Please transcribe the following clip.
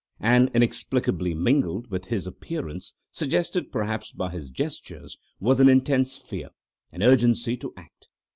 And, inexplicably mingled with his appearance, suggested perhaps by his gestures, was an intense fear, an urgency to act.